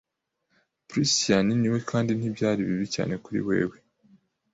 Priscian nawe kandi ntibyari bibi cyane kuri wewe